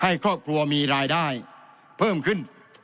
ให้ครอบครัวมีรายได้เพิ่มขึ้น